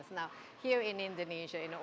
di indonesia semua busnya